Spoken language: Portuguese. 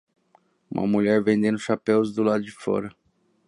Uma mulher vendendo chapéus do lado de fora.